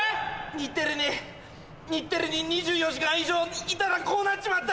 日テレに日テレに２４時間以上いたらこうなっちまった。